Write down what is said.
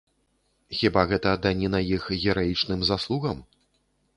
Хіба гэта даніна іх гераічным заслугам?